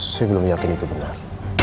saya belum yakin itu benar